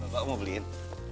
bapak mau beliin